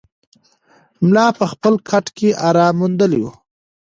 ملا په خپل کټ کې ارام موندلی و.